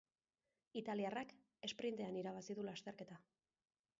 Italiarrak esprintean irabazi du lasterketa.